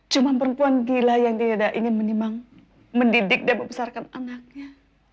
cuma perempuan gila yang tidak ingin menimbang mendidik dan membesarkan anaknya